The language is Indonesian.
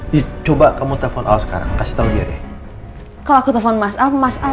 di coba kamu telepon sekarang kasih tahu dia deh kalau aku telepon mas almas al